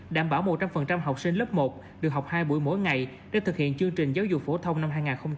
đảm bảo một trăm linh học sinh lớp một được học hai buổi mỗi ngày để thực hiện chương trình giáo dục phổ thông năm hai nghìn hai mươi